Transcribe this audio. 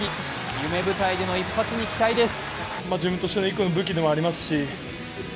夢舞台での一発に期待です。